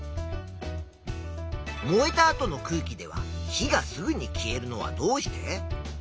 燃えた後の空気では火がすぐに消えるのはどうして？